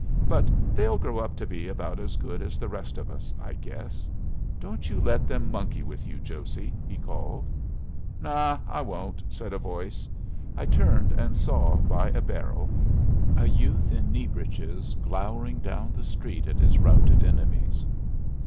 "But they'll grow up to be about as good as the rest of us, I guess. Don't you let them monkey with you, Josey!" he called. "Naw, I won't," said a voice. I turned and saw, by a barrel, a youth in knee breeches glowering down the street at his routed enemies.